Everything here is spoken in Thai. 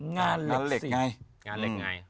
งานเหล็กไงงานเหล็กไง